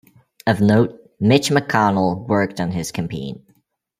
Of note, Mitch McConnell worked on his campaign.